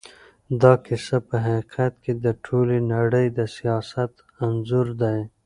دا کيسه په حقیقت کې د ټولې نړۍ د سياست انځور دی.